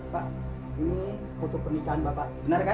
pak ini foto pernikahan bapak benar kan